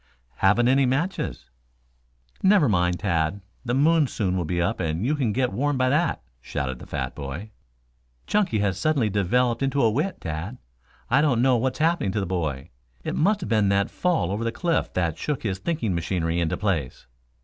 "Haven't any matches." "Never mind, Tad, the moon soon will be up and you can get warm by that," shouted the fat boy. "Chunky has suddenly developed into a wit, Tad. I don't know what's happened to the boy. It must have been that fall over the cliff that shook his thinking machinery into place."